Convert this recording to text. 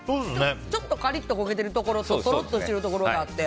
ちょっとカリッと焦げているところととろっとしているところがあって。